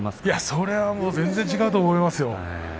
それは全然違うと思いますよ。